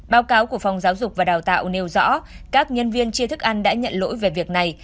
báo cáo của phòng giáo dục và đào tạo nêu rõ các nhân viên chia thức ăn đã nhận lỗi về việc này